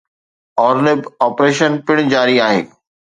Ornib operation پڻ جاري آهي.